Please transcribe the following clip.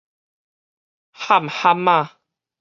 譀譀仔